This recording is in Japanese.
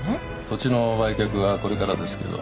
土地の売却はこれからですけど。